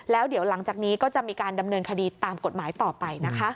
แล้วเดี๋ยวหลังจากนี้ก็จะมีการดำเนินคดีตามกฎหมายต่อไปนะคะ